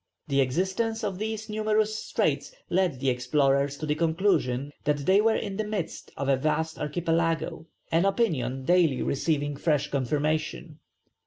The existence of these numerous straits led the explorers to the conclusion that they were in the midst of a vast archipelago, an opinion daily receiving fresh confirmation.